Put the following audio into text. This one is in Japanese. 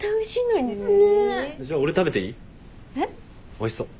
おいしそう。